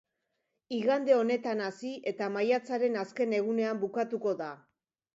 Igande honetan hasi eta maiatzaren azken egunean bukatuko da.